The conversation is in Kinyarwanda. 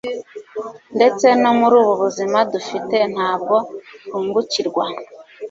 Ndetse no muri ubu buzima dufite ntabwo twungukirwa